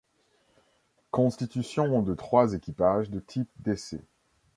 Constitution de trois équipages de type d'essai.